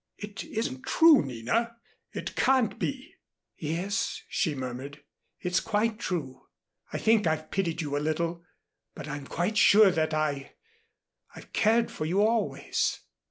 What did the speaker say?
"It isn't true, Nina. It can't be " "Yes," she murmured. "It's quite true. I think I've pitied you a little, but I'm quite sure that I I've cared for you always."